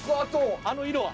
あの色は？